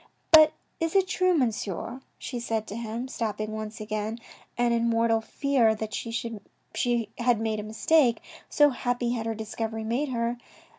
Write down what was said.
" But is it true, Monsieur," she said to him, stopping once again, and in mortal fear that she had made a mistake, so happy had her discovery made her.